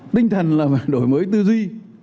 tinh thần là đổi mới tư duy